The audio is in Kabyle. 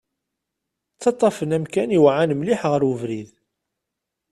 Ttaṭṭafen amkan iweɛɛan mliḥ ɣer ubrid.